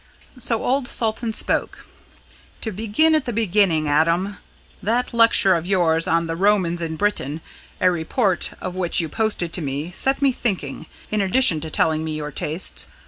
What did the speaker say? So old Salton spoke: "To begin at the beginning, Adam. That lecture of yours on 'The Romans in Britain,' a report of which you posted to me, set me thinking in addition to telling me your tastes.